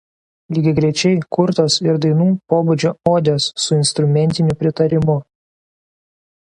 Lygiagrečiai kurtos ir dainų pobūdžio odės su instrumentiniu pritarimu.